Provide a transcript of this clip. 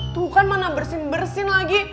tuh kan mana bersin bersin lagi